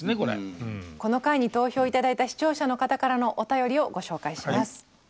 この回に投票頂いた視聴者の方からのお便りをご紹介します。